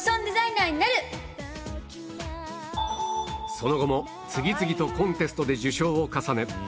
その後も次々とコンテストで受賞を重ね